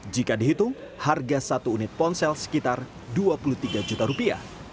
jika dihitung harga satu unit ponsel sekitar dua puluh tiga juta rupiah